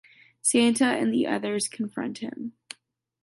Santa and the others confront him.